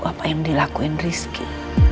apa yang dilakuin rizky